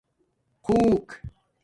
خُݸک